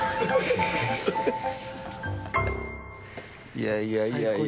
いやいやいやいや。